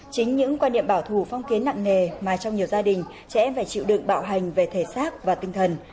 chính những quan niệm bảo thủ phong kiến nặng nề mà trong nhiều gia đình trẻ em phải chịu được bạo hành về thể xác và tinh thần